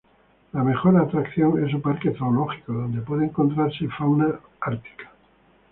La mejor atracción es su parque zoológico, donde puede encontrarse fauna ártica.